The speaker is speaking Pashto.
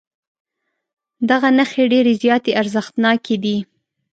دغه نښې ډېرې زیاتې ارزښتناکې دي.